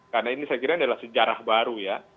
karena ini saya kira adalah sejarah baru ya